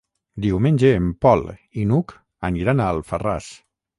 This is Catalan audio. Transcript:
Diumenge en Pol i n'Hug aniran a Alfarràs.